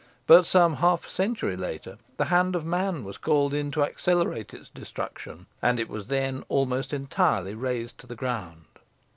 But some half century later, the hand of man was called in to accelerate its destruction, and it was then almost entirely rased to the ground.